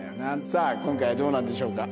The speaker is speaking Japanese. さあ今回はどうなんでしょうか？